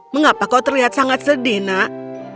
mengapa kau terlihat sangat sedih nak